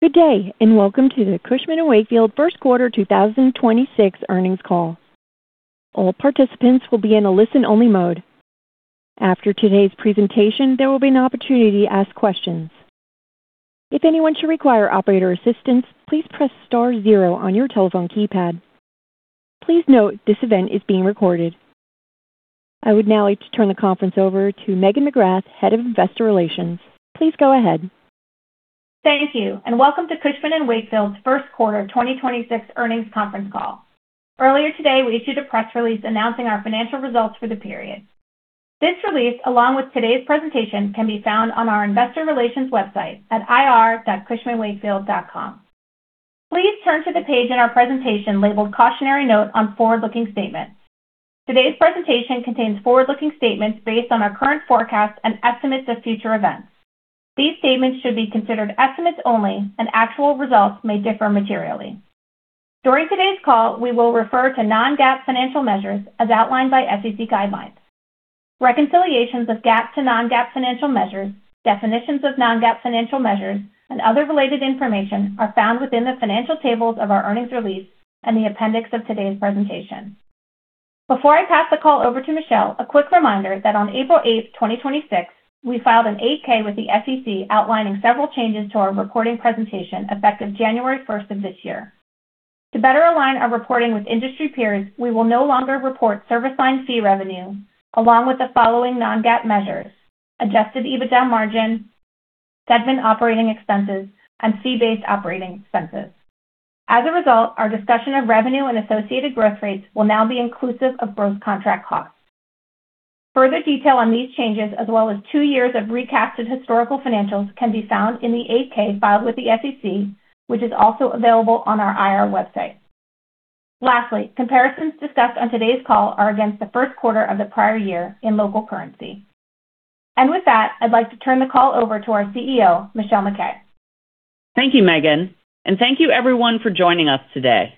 Good day, welcome to the Cushman & Wakefield First Quarter 2026 Earnings Call. I would now like to turn the conference over to Megan McGrath, Head of Investor Relations. Please go ahead. Thank you. Welcome to Cushman & Wakefield's first quarter 2026 earnings conference call. Earlier today, we issued a press release announcing our financial results for the period. This release, along with today's presentation, can be found on our investor relations website at ir.cushmanwakefield.com. Please turn to the page in our presentation labeled Cautionary Note on Forward-Looking Statements. Today's presentation contains forward-looking statements based on our current forecasts and estimates of future events. These statements should be considered estimates only. Actual results may differ materially. During today's call, we will refer to non-GAAP financial measures as outlined by SEC guidelines. Reconciliations of GAAP to non-GAAP financial measures, definitions of non-GAAP financial measures, and other related information are found within the financial tables of our earnings release and the appendix of today's presentation. Before I pass the call over to Michelle, a quick reminder that on April 8, 2026, we filed an 8-K with the SEC outlining several changes to our reporting presentation effective January 1st of this year. To better align our reporting with industry peers, we will no longer report service line fee revenue along with the following non-GAAP measures, Adjusted EBITDA margin, segment operating expenses, and fee-based operating expenses. As a result, our discussion of revenue and associated growth rates will now be inclusive of gross contract costs. Further detail on these changes as well as 2 years of recasted historical financials can be found in the 8-K filed with the SEC, which is also available on our IR website. Lastly, comparisons discussed on today's call are against the first quarter of the prior year in local currency. With that, I'd like to turn the call over to our CEO, Michelle MacKay. Thank you, Megan. Thank you everyone for joining us today.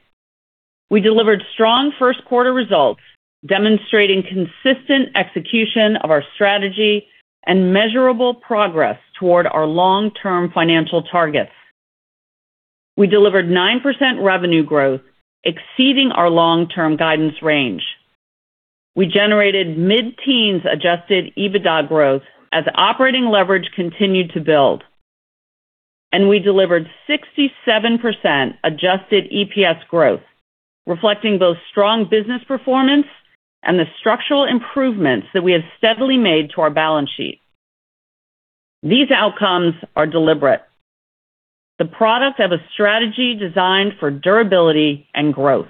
We delivered strong first quarter results demonstrating consistent execution of our strategy and measurable progress toward our long-term financial targets. We delivered 9% revenue growth exceeding our long-term guidance range. We generated mid-teens Adjusted EBITDA growth as operating leverage continued to build. We delivered 67% Adjusted EPS growth, reflecting both strong business performance and the structural improvements that we have steadily made to our balance sheet. These outcomes are deliberate. The product of a strategy designed for durability and growth.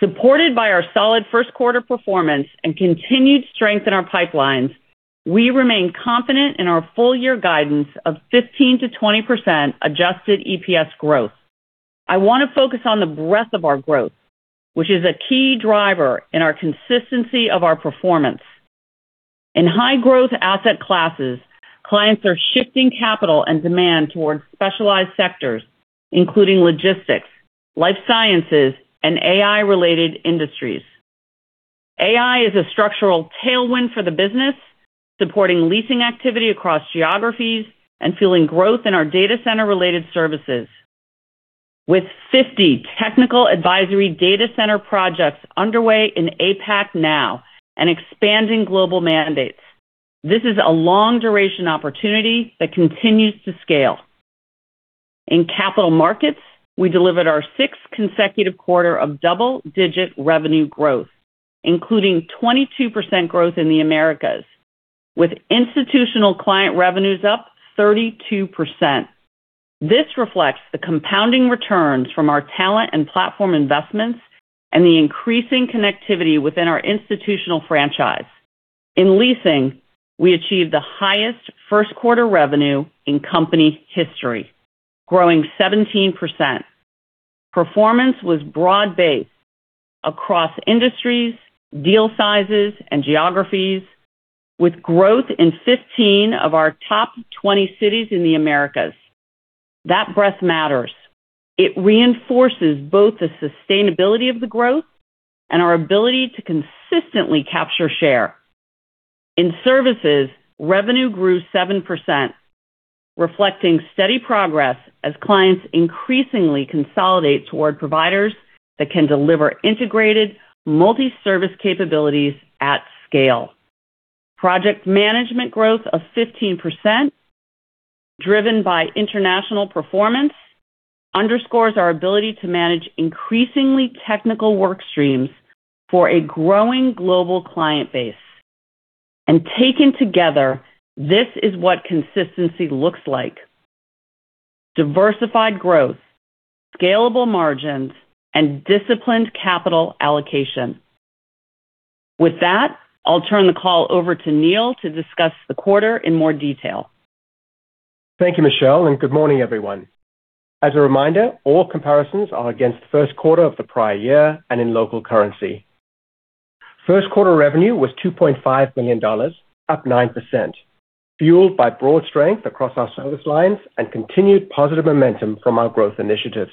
Supported by our solid first quarter performance and continued strength in our pipelines, we remain confident in our full year guidance of 15%-20% Adjusted EPS growth. I want to focus on the breadth of our growth, which is a key driver in our consistency of our performance. In high growth asset classes, clients are shifting capital and demand towards specialized sectors, including logistics, life sciences, and AI related industries. AI is a structural tailwind for the business, supporting leasing activity across geographies and fueling growth in our data center related services. With 50 technical advisory data center projects underway in APAC now and expanding global mandates, this is a long duration opportunity that continues to scale. In capital markets, we delivered our 6th consecutive quarter of double-digit revenue growth, including 22% growth in the Americas with institutional client revenues up 32%. This reflects the compounding returns from our talent and platform investments and the increasing connectivity within our institutional franchise. In leasing, we achieved the highest first quarter revenue in company history, growing 17%. Performance was broad-based across industries, deal sizes, and geographies with growth in 15 of our top 20 cities in the Americas. That breadth matters. It reinforces both the sustainability of the growth and our ability to consistently capture share. In services, revenue grew 7%, reflecting steady progress as clients increasingly consolidate toward providers that can deliver integrated multi-service capabilities at scale. Project Management growth of 15% driven by international performance underscores our ability to manage increasingly technical work streams for a growing global client base. Taken together, this is what consistency looks like. Diversified growth, scalable margins, and disciplined capital allocation. With that, I'll turn the call over to Neil to discuss the quarter in more detail. Thank you, Michelle, and good morning, everyone. As a reminder, all comparisons are against 1st quarter of the prior year and in local currency. First quarter revenue was $2.5 billion, up 9%, fueled by broad strength across our service lines and continued positive momentum from our growth initiatives.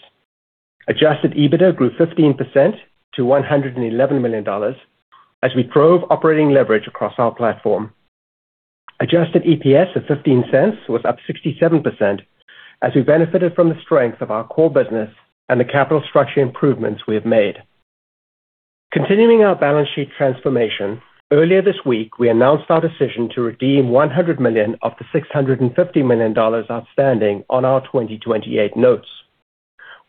Adjusted EBITDA grew 15% to $111 million as we drove operating leverage across our platform. Adjusted EPS of $0.15 was up 67% as we benefited from the strength of our core business and the capital structure improvements we have made. Continuing our balance sheet transformation, earlier this week, we announced our decision to redeem $100 million of the $650 million outstanding on our 2028 notes.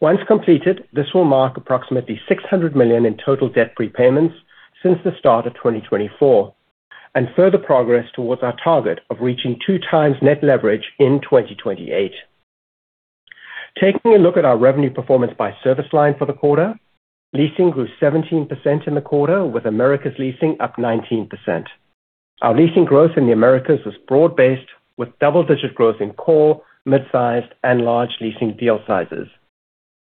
Once completed, this will mark approximately $600 million in total debt repayments since the start of 2024 and further progress towards our target of reaching 2 times net leverage in 2028. Taking a look at our revenue performance by service line for the quarter. Leasing grew 17% in the quarter, with Americas leasing up 19%. Our leasing growth in the Americas was broad-based with double-digit growth in core, mid-sized, and large leasing deal sizes.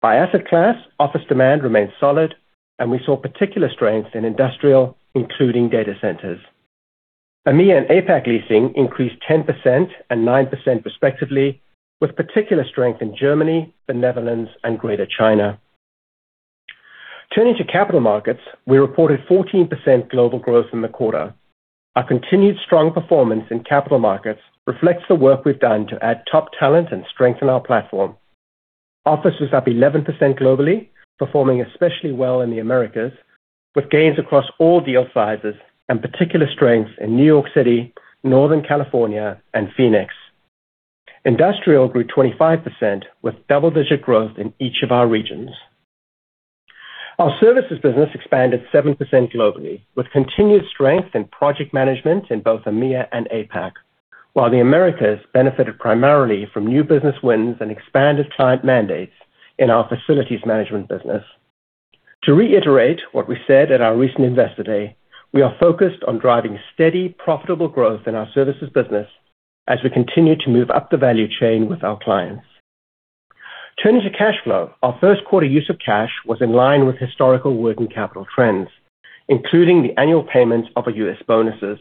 By asset class, office demand remains solid, and we saw particular strength in industrial, including data centers. EMEA and APAC leasing increased 10% and 9% respectively, with particular strength in Germany, the Netherlands, and Greater China. Turning to capital markets, we reported 14% global growth in the quarter. Our continued strong performance in capital markets reflects the work we've done to add top talent and strengthen our platform. Office was up 11% globally, performing especially well in the Americas with gains across all deal sizes and particular strengths in New York City, Northern California, and Phoenix. Industrial grew 25% with double-digit growth in each of our regions. Our services business expanded 7% globally with continued strength in project management in both EMEA and APAC. The Americas benefited primarily from new business wins and expanded client mandates in our facilities management business. To reiterate what we said at our recent Investor Day, we are focused on driving steady, profitable growth in our services business as we continue to move up the value chain with our clients. Turning to cash flow, our first quarter use of cash was in line with historical working capital trends, including the annual payments of U.S. bonuses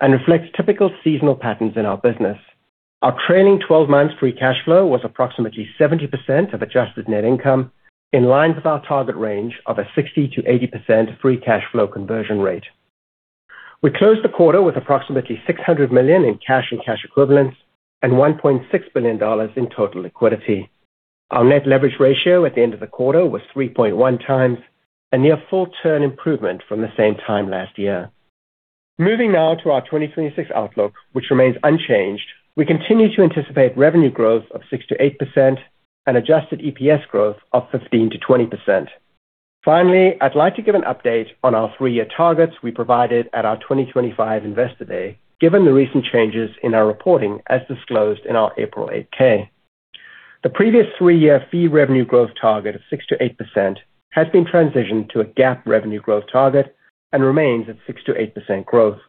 and reflects typical seasonal patterns in our business. Our trailing 12 months free cash flow was approximately 70% of adjusted net income, in line with our target range of a 60%-80% free cash flow conversion rate. We closed the quarter with approximately $600 million in cash and cash equivalents and $1.6 billion in total liquidity. Our net leverage ratio at the end of the quarter was 3.1x, a near full turn improvement from the same time last year. Moving now to our 2026 outlook, which remains unchanged. We continue to anticipate revenue growth of 6%-8% and Adjusted EPS growth of 15%-20%. I'd like to give an update on our 3-year targets we provided at our 2025 Investor Day, given the recent changes in our reporting as disclosed in our April 8-K. The previous 3-year fee revenue growth target of 6%-8% has been transitioned to a GAAP revenue growth target and remains at 6%-8% growth.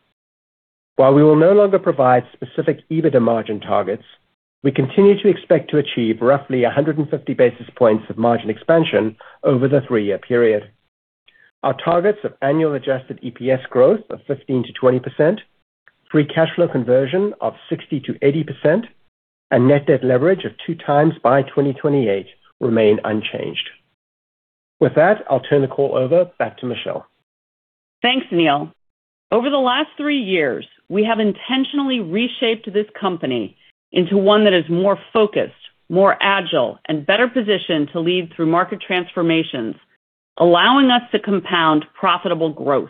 While we will no longer provide specific EBITDA margin targets, we continue to expect to achieve roughly 150 basis points of margin expansion over the 3-year period. Our targets of annual Adjusted EPS growth of 15%-20%, free cash flow conversion of 60%-80%, and net debt leverage of 2 times by 2028 remain unchanged. With that, I'll turn the call over back to Michelle MacKay. Thanks, Neil. Over the last three years, we have intentionally reshaped this company into one that is more focused, more agile, and better positioned to lead through market transformations, allowing us to compound profitable growth.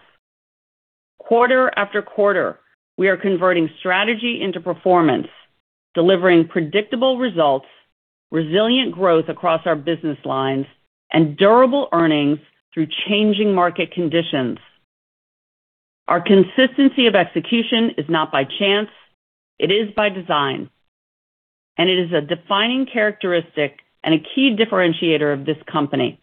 Quarter after quarter, we are converting strategy into performance, delivering predictable results, resilient growth across our business lines, and durable earnings through changing market conditions. Our consistency of execution is not by chance, it is by design, and it is a defining characteristic and a key differentiator of this company.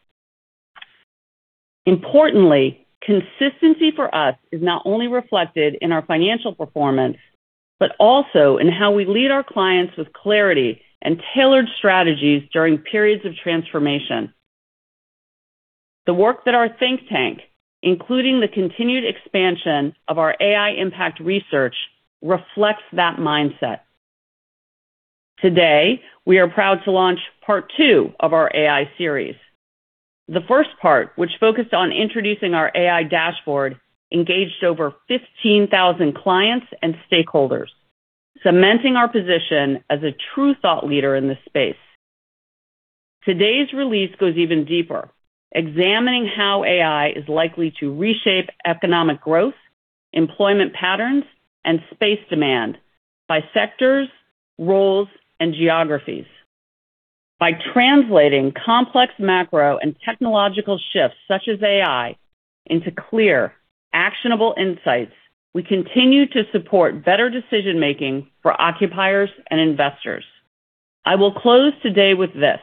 Importantly, consistency for us is not only reflected in our financial performance, but also in how we lead our clients with clarity and tailored strategies during periods of transformation. The work that our think tank, including the continued expansion of our AI impact research, reflects that mindset. Today, we are proud to launch part two of our AI series. The first part, which focused on introducing our AI dashboard, engaged over 15,000 clients and stakeholders, cementing our position as a true thought leader in this space. Today's release goes even deeper, examining how AI is likely to reshape economic growth, employment patterns, and space demand by sectors, roles, and geographies. By translating complex macro and technological shifts such as AI into clear, actionable insights, we continue to support better decision-making for occupiers and investors. I will close today with this.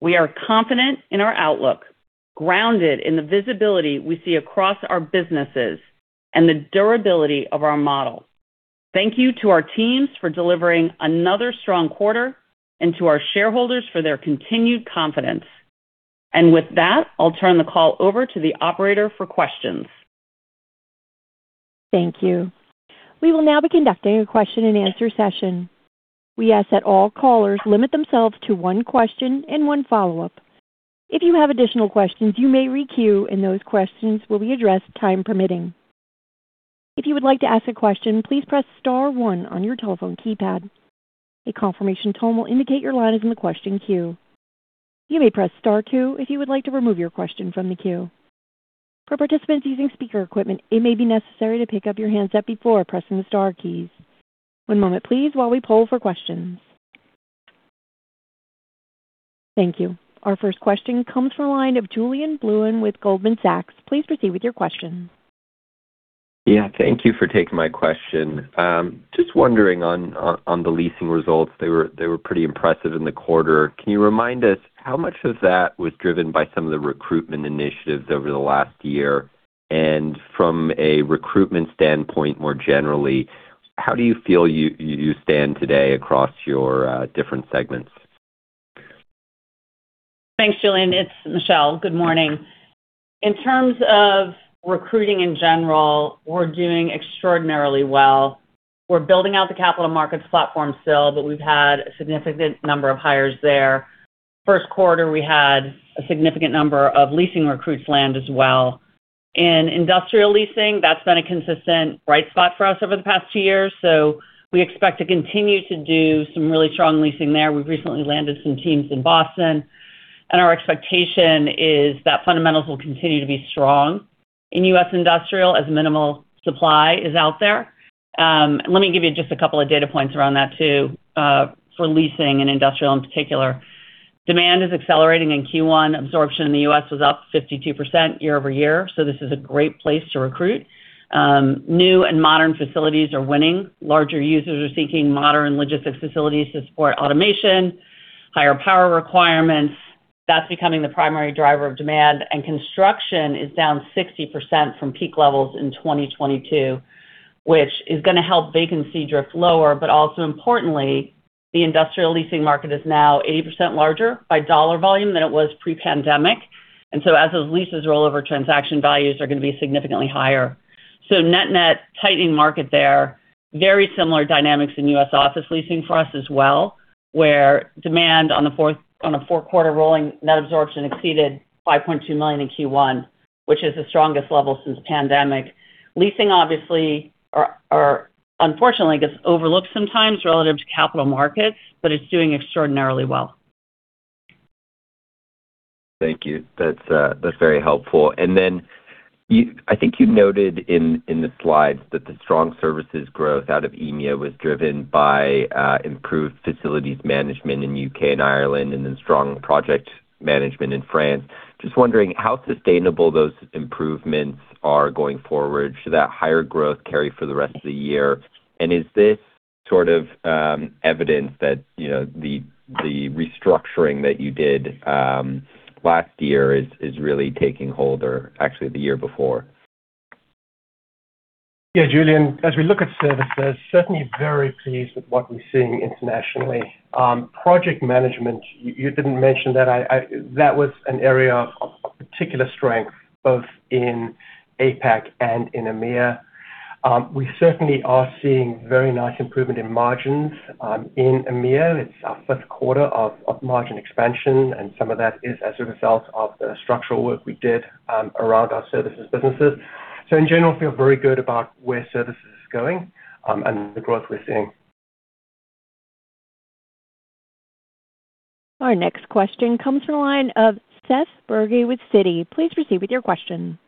We are confident in our outlook, grounded in the visibility we see across our businesses and the durability of our model. Thank you to our teams for delivering another strong quarter and to our shareholders for their continued confidence. With that, I'll turn the call over to the operator for questions. Thank you. We will now be conducting a question and answer session. We ask that all callers limit themselves to one question and one follow-up. If you have additional questions, you may re-queue, and those questions will be addressed time permitting. If you would like to ask a question, please press star one on your telephone keypad. A confirmation tone will indicate your line is in the question queue. You may press star two if you would like to remove your question from the queue. For participants using speaker equipment, it may be necessary to pick up your handset before pressing the star keys. One moment please while we poll for questions. Thank you. Our first question comes from the line of Julien Blouin with Goldman Sachs. Please proceed with your question. Yeah. Thank you for taking my question. Just wondering on the leasing results. They were pretty impressive in the quarter. Can you remind us how much of that was driven by some of the recruitment initiatives over the last year? From a recruitment standpoint more generally, how do you feel you stand today across your different segments? Thanks, Julien. It's Michelle. Good morning. In terms of recruiting in general, we're doing extraordinarily well. We're building out the capital markets platform still, we've had a significant number of hires there. First quarter, we had a significant number of leasing recruits land as well. In industrial leasing, that's been a consistent bright spot for us over the past two years, we expect to continue to do some really strong leasing there. We've recently landed some teams in Boston, our expectation is that fundamentals will continue to be strong in U.S. Industrial as minimal supply is out there. Let me give you just a couple of data points around that too, for leasing and industrial in particular. Demand is accelerating in Q1. Absorption in the U.S. was up 52% year-over-year, this is a great place to recruit. New and modern facilities are winning. Larger users are seeking modern logistics facilities to support automation, higher power requirements. That's becoming the primary driver of demand, and construction is down 60% from peak levels in 2022, which is gonna help vacancy drift lower, but also importantly, the industrial leasing market is now 80% larger by dollar volume than it was pre-pandemic. As those leases roll over, transaction values are gonna be significantly higher. So net-net tightening market there. Very similar dynamics in U.S. office leasing for us as well, where demand on a 4-quarter rolling net absorption exceeded 5.2 million in Q1, which is the strongest level since pandemic. Leasing obviously are unfortunately, I guess, overlooked sometimes relative to capital markets, but it's doing extraordinarily well. Thank you. That's very helpful. I think you noted in the slides that the strong services growth out of EMEA was driven by improved facilities management in U.K. and Ireland and then strong project management in France. Just wondering how sustainable those improvements are going forward. Should that higher growth carry for the rest of the year? Is this sort of, you know, evidence that the restructuring that you did last year is really taking hold or actually the year before? Julien, as we look at services, certainly very pleased with what we're seeing internationally. Project management, you didn't mention that. That was an area of particular strength both in APAC and in EMEA. We certainly are seeing very nice improvement in margins in EMEA. It's our first quarter of margin expansion, and some of that is as a result of the structural work we did around our services businesses. In general, feel very good about where services is going, and the growth we're seeing. Our next question comes from the line of Seth Bergey with Citi. Please proceed with your question.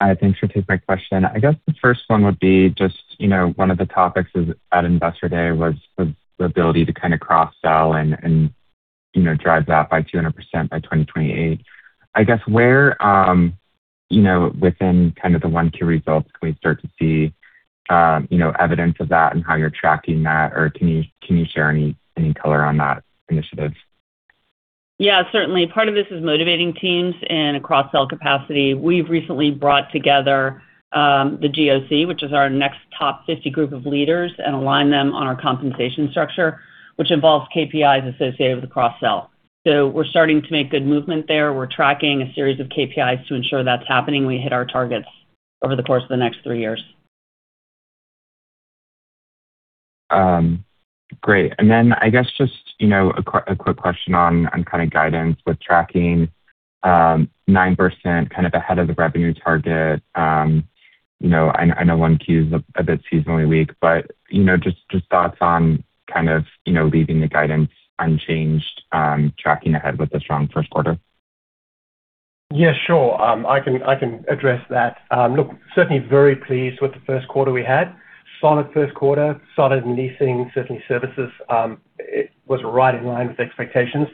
Thanks for taking my question. I guess the first one would be just, you know, one of the topics at Investor Day was the ability to kind of cross-sell and, you know, drive that by 200% by 2028. I guess where, you know, within kind of the 1Q results can we start to see, you know, evidence of that and how you're tracking that? Or can you share any color on that initiative? Yeah, certainly. Part of this is motivating teams in a cross-sell capacity. We've recently brought together the GOC, which is our next top 50 group of leaders, and aligned them on our compensation structure, which involves KPIs associated with the cross-sell. We're starting to make good movement there. We're tracking a series of KPIs to ensure that's happening, and we hit our targets over the course of the next three years. Great. I guess just, you know, a quick question on kind of guidance with tracking 9% kind of ahead of the revenue target. You know, I know 1Q is a bit seasonally weak, you know, just thoughts on kind of, you know, leaving the guidance unchanged, tracking ahead with a strong first quarter. Yeah, sure. I can address that. Look, certainly very pleased with the first quarter we had. Solid first quarter. Solid leasing. Certainly services, it was right in line with expectations.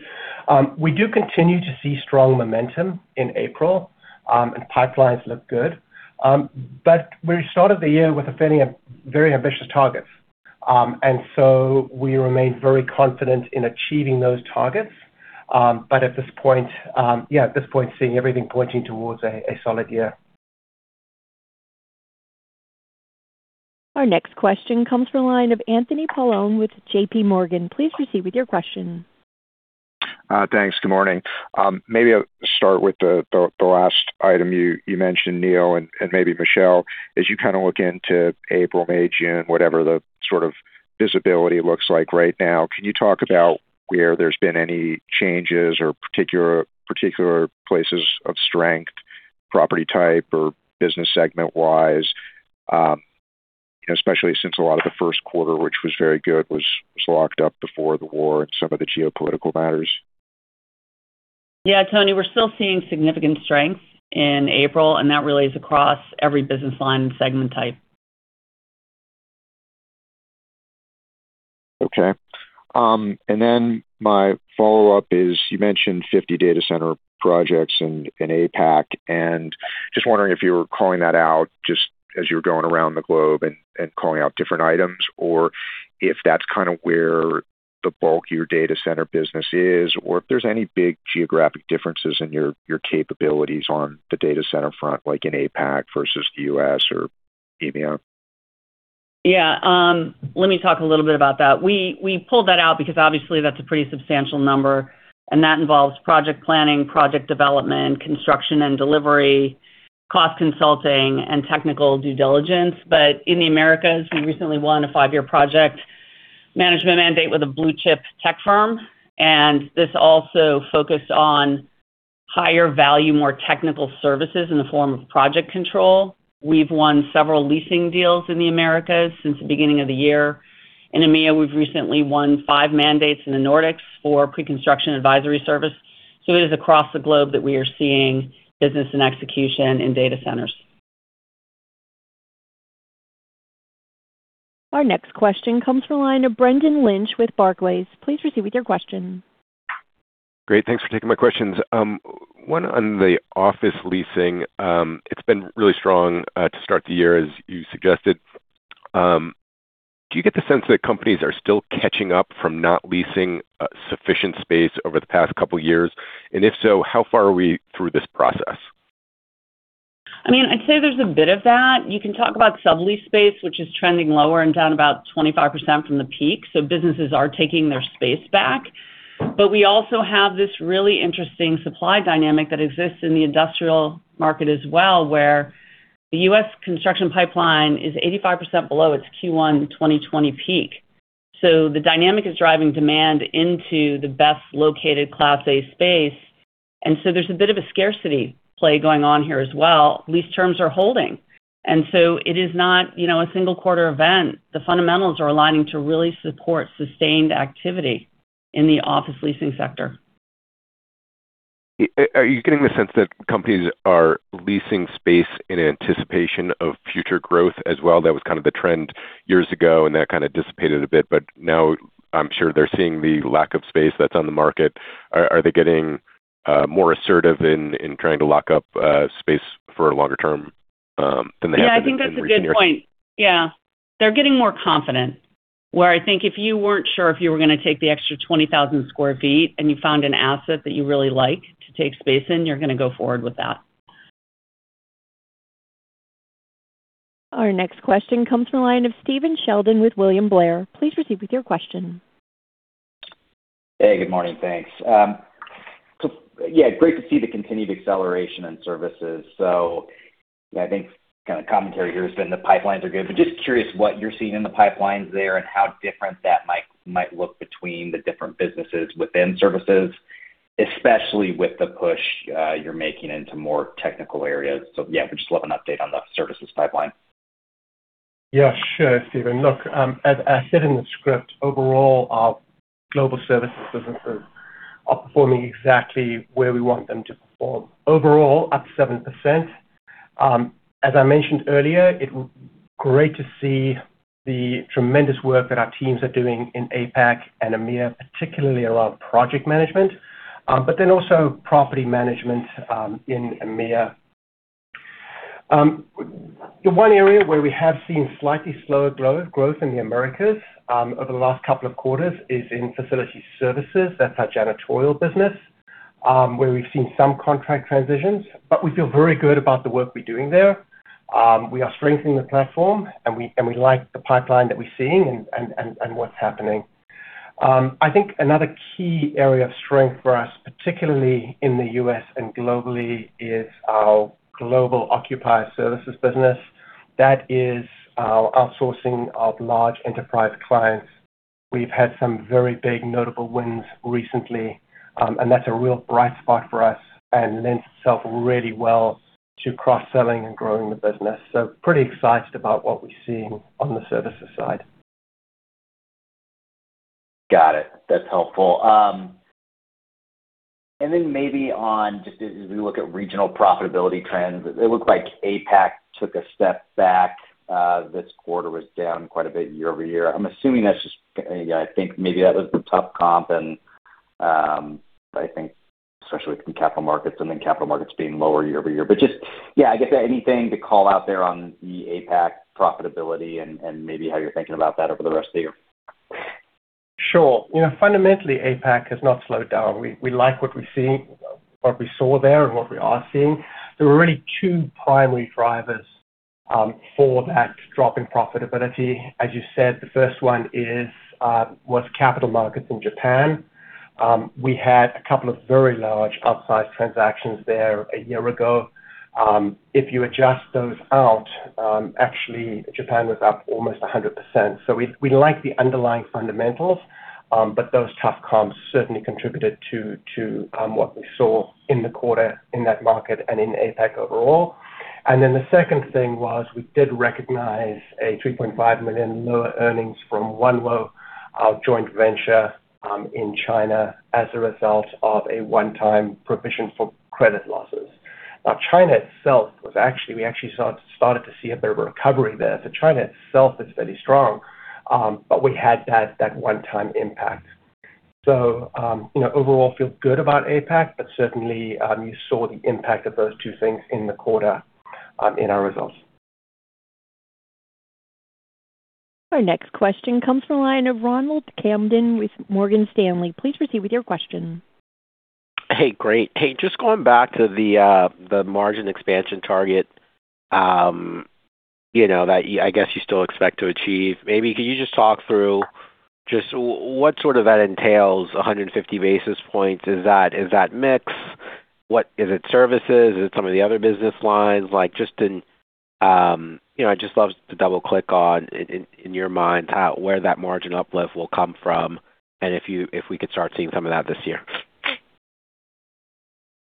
We do continue to see strong momentum in April, and pipelines look good. We started the year with a fairly very ambitious targets. We remain very confident in achieving those targets. At this point, yeah, at this point, seeing everything pointing towards a solid year. Our next question comes from the line of Anthony Paolone with JPMorgan. Please proceed with your question. Thanks. Good morning. Maybe I'll start with the last item you mentioned, Neil, and maybe Michelle. As you kind of look into April, May, June, whatever the sort of visibility looks like right now, can you talk about where there's been any changes or particular places of strength, property type or business segment wise? Especially since a lot of the first quarter, which was very good, was locked up before the war and some of the geopolitical matters. Yeah, Tony, we're still seeing significant strength in April, and that really is across every business line and segment type. Okay. My follow-up is you mentioned 50 data center projects in APAC. Just wondering if you were calling that out just as you were going around the globe and calling out different items, or if that's kind of where the bulk of your data center business is, or if there's any big geographic differences in your capabilities on the data center front, like in APAC versus the U.S. or EMEA? Yeah. Let me talk a little bit about that. We pulled that out because obviously that's a pretty substantial number, and that involves project planning, project development, construction and delivery, cost consulting, and technical due diligence. In the Americas, we recently won a five-year project management mandate with a blue chip tech firm, and this also focused on higher value, more technical services in the form of project control. We've won several leasing deals in the Americas since the beginning of the year. In EMEA, we've recently won five mandates in the Nordics for pre-construction advisory service. It is across the globe that we are seeing business and execution in data centers. Our next question comes from the line of Brendan Lynch with Barclays. Please proceed with your question. Great. Thanks for taking my questions. One on the office leasing. It's been really strong to start the year, as you suggested. Do you get the sense that companies are still catching up from not leasing sufficient space over the past couple years? If so, how far are we through this process? I mean, I'd say there's a bit of that. You can talk about sublease space, which is trending lower and down about 25% from the peak, so businesses are taking their space back. We also have this really interesting supply dynamic that exists in the industrial market as well, where the U.S. construction pipeline is 85% below its Q1 2020 peak. The dynamic is driving demand into the best located Class A space. There's a bit of a scarcity play going on here as well. Lease terms are holding. It is not, you know, a single quarter event. The fundamentals are aligning to really support sustained activity in the office leasing sector. Are you getting the sense that companies are leasing space in anticipation of future growth as well? That was kind of the trend years ago, and that kind of dissipated a bit. Now I'm sure they're seeing the lack of space that's on the market. Are they getting more assertive in trying to lock up space for a longer term than they have in recent years? I think that's a good point. They're getting more confident. I think if you weren't sure if you were gonna take the extra 20,000 sq ft and you found an asset that you really like to take space in, you're gonna go forward with that. Our next question comes from the line of Stephen Sheldon with William Blair. Please proceed with your question. Hey, good morning. Thanks. Great to see the continued acceleration in services. I think the commentary here has been the pipelines are good. Just curious what you're seeing in the pipelines there and how different that might look between the different businesses within services, especially with the push you're making into more technical areas. I would just love an update on the services pipeline. Sure, Stephen. Look, as I said in the script, overall, our global services businesses are performing exactly where we want them to perform. Overall, up 7%. As I mentioned earlier, great to see the tremendous work that our teams are doing in APAC and EMEA, particularly around project management. Also property management in EMEA. The 1 area where we have seen slightly slower growth in the Americas over the last couple of quarters is in facility services. That's our janitorial business, where we've seen some contract transitions. We feel very good about the work we're doing there. We are strengthening the platform, and we like the pipeline that we're seeing and what's happening. I think another key area of strength for us, particularly in the U.S. and globally, is our Global Occupier Services business. That is our outsourcing of large enterprise clients. We've had some very big notable wins recently. That's a real bright spot for us and lends itself really well to cross-selling and growing the business. Pretty excited about what we're seeing on the services side. Got it. That's helpful. Then maybe on just as we look at regional profitability trends, it looked like APAC took a step back this quarter. Was down quite a bit year-over-year. I'm assuming that's just, I think maybe that was the tough comp and, I think especially with the capital markets and then capital markets being lower year-over-year. I guess anything to call out there on the APAC profitability and maybe how you're thinking about that over the rest of the year? Sure. You know, fundamentally, APAC has not slowed down. We like what we see, what we saw there and what we are seeing. There were really 2 primary drivers for that drop in profitability. As you said, the first one is was capital markets in Japan. We had 2 very large upsized transactions there a year ago. If you adjust those out, actually Japan was up almost 100%. We like the underlying fundamentals, but those tough comps certainly contributed to what we saw in the quarter in that market and in APAC overall. The second thing was we did recognize $3.5 million lower earnings from one low joint venture in China as a result of a one-time provision for credit losses. China itself actually started to see a bit of recovery there. China itself is pretty strong, but we had that one-time impact. You know, overall feel good about APAC, but certainly, you saw the impact of those two things in the quarter in our results. Our next question comes from the line of Ronald Kamdem with Morgan Stanley. Please proceed with your question. Hey, great. Hey, just going back to the margin expansion target, you know, that I guess you still expect to achieve. Maybe could you just talk through what sort of that entails, 150 basis points? Is that mix? Is it services? Is it some of the other business lines? Like, just in, you know, I'd just love to double-click on in, in your mind where that margin uplift will come from and if we could start seeing some of that this year.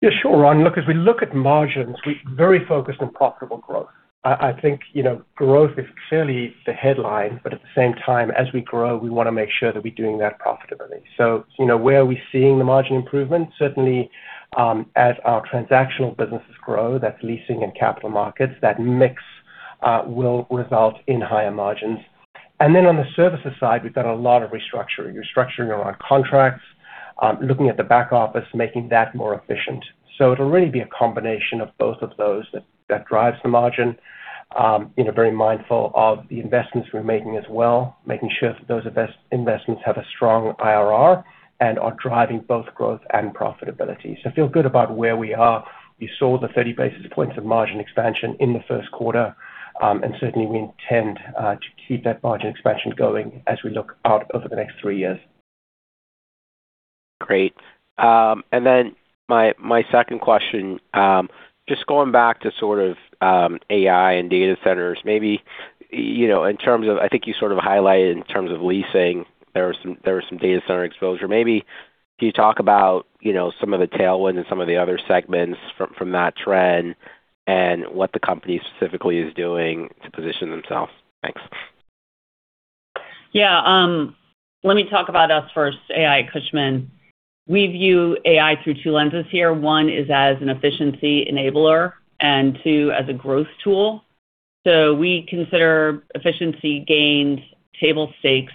Yeah, sure, Ron. Look, as we look at margins, we're very focused on profitable growth. I think, you know, growth is clearly the headline, but at the same time, as we grow, we wanna make sure that we're doing that profitably. You know, where are we seeing the margin improvement? Certainly, as our transactional businesses grow, that's leasing and capital markets, that mix will result in higher margins. On the services side, we've got a lot of restructuring. Restructuring around contracts, looking at the back office, making that more efficient. It'll really be a combination of both of those that drives the margin. You know, very mindful of the investments we're making as well, making sure that those investments have a strong IRR and are driving both growth and profitability. I feel good about where we are. We saw the 30 basis points of margin expansion in the 1st quarter, and certainly we intend to keep that margin expansion going as we look out over the next 3 years. Great. My second question, just going back to AI and data centers. Maybe, you know, I think you highlighted in terms of leasing, there were some data center exposure. Maybe can you talk about, you know, some of the tailwind in some of the other segments from that trend and what the company specifically is doing to position themselves? Thanks. Let me talk about us first, AI at Cushman. We view AI through 2 lenses here. 1 is as an efficiency enabler, and 2, as a growth tool. We consider efficiency gains table stakes.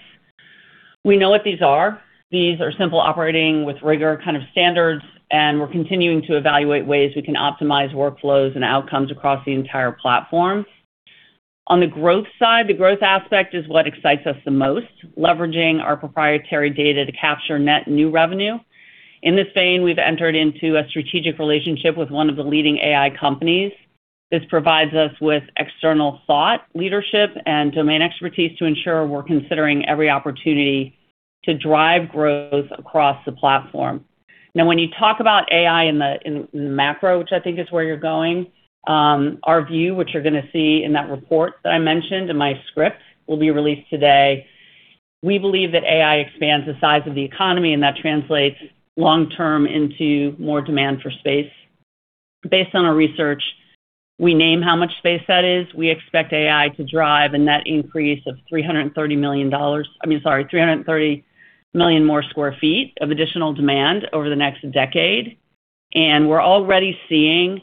We know what these are. These are simple operating with rigor kind of standards, and we're continuing to evaluate ways we can optimize workflows and outcomes across the entire platform. On the growth side, the growth aspect is what excites us the most, leveraging our proprietary data to capture net new revenue. In this vein, we've entered into a strategic relationship with one of the leading AI companies. This provides us with external thought, leadership, and domain expertise to ensure we're considering every opportunity to drive growth across the platform. When you talk about AI in the macro, which I think is where you're going, our view, which you're going to see in that report that I mentioned in my script, will be released today. We believe that AI expands the size of the economy. That translates long term into more demand for space. Based on our research, we name how much space that is. We expect AI to drive a net increase of $330 million. I mean, 330 million more sq ft of additional demand over the next decade. We're already seeing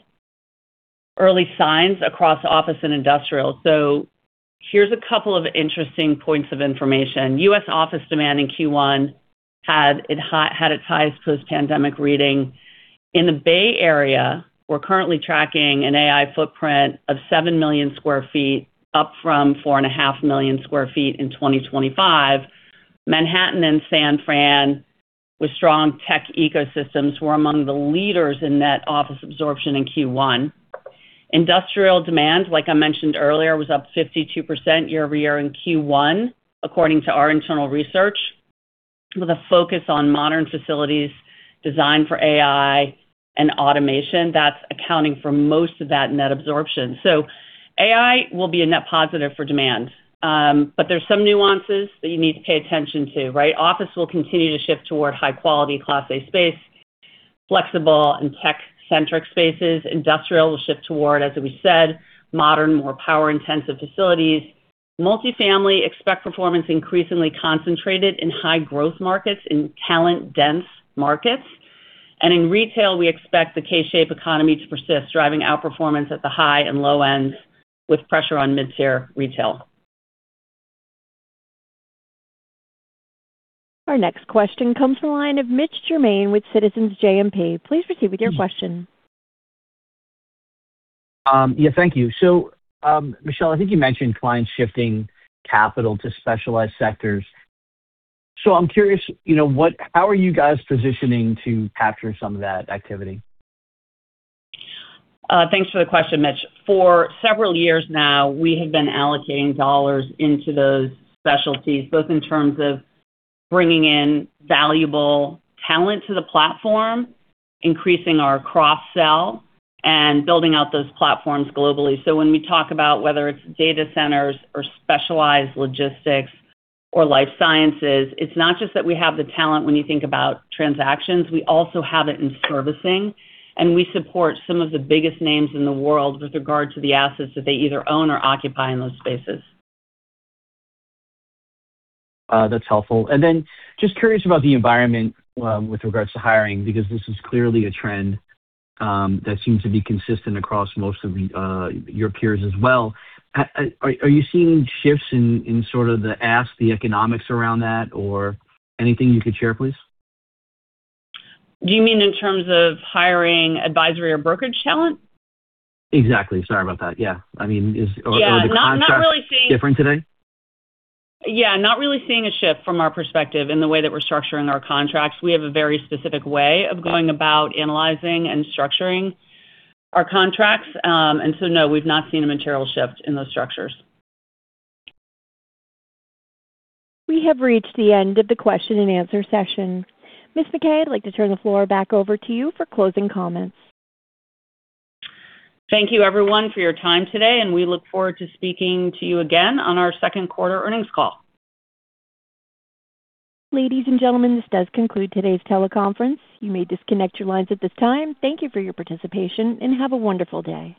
early signs across office and industrial. Here's a couple of interesting points of information. U.S. office demand in Q1 had its highest post-pandemic reading. In the Bay Area, we're currently tracking an AI footprint of 7 million sq ft, up from four and a half million sq ft in 2025. Manhattan and San Fran, with strong tech ecosystems, were among the leaders in net office absorption in Q1. Industrial demand, like I mentioned earlier, was up 52% year-over-year in Q1, according to our internal research, with a focus on modern facilities designed for AI and automation. That's accounting for most of that net absorption. AI will be a net positive for demand. There's some nuances that you need to pay attention to, right? Office will continue to shift toward high-quality Class A space, flexible and tech-centric spaces. Industrial will shift toward, as we said, modern, more power-intensive facilities. Multifamily expect performance increasingly concentrated in high-growth markets, in talent-dense markets. In retail, we expect the K-shaped economy to persist, driving outperformance at the high and low ends with pressure on mid-tier retail. Our next question comes from the line of Mitch Germain with Citizens JMP. Please proceed with your question. Yeah, thank you. Michelle, I think you mentioned clients shifting capital to specialized sectors. I'm curious, you know, how are you guys positioning to capture some of that activity? Thanks for the question, Mitch. For several years now, we have been allocating dollars into those specialties, both in terms of bringing in valuable talent to the platform, increasing our cross sell, and building out those platforms globally. When we talk about whether it's data centers or specialized logistics or life sciences, it's not just that we have the talent when you think about transactions, we also have it in servicing, and we support some of the biggest names in the world with regard to the assets that they either own or occupy in those spaces. That's helpful. Just curious about the environment, with regards to hiring, because this is clearly a trend that seems to be consistent across most of your peers as well. Are you seeing shifts in sort of the ask, the economics around that or anything you could share, please? Do you mean in terms of hiring advisory or brokerage talent? Exactly. Sorry about that. Yeah. I mean. Yeah. Not really. Are the contracts different today? Yeah, not really seeing a shift from our perspective in the way that we're structuring our contracts. We have a very specific way of going about analyzing and structuring our contracts. No, we've not seen a material shift in those structures. We have reached the end of the question and answer session. Ms. MacKay, I'd like to turn the floor back over to you for closing comments. Thank you everyone for your time today, and we look forward to speaking to you again on our second quarter earnings call. Ladies and gentlemen, this does conclude today's teleconference. You may disconnect your lines at this time. Thank you for your participation, and have a wonderful day.